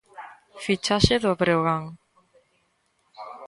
Fichaxe do Breogán.